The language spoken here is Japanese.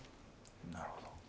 なるほど。